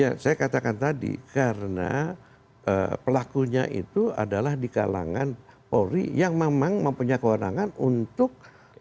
ya saya katakan tadi karena pelakunya itu adalah di kalangan polri yang memang mempunyai kewenangan untuk